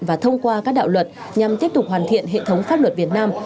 và thông qua các đạo luật nhằm tiếp tục hoàn thiện hệ thống pháp luật việt nam